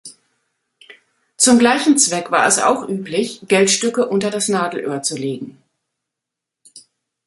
Zum gleichen Zweck war es auch üblich, Geldstücke unter das Nadelöhr zu legen.